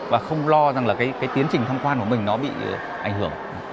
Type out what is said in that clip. và không lo rằng là cái tiến trình thăm quan của mình nó bị ảnh hưởng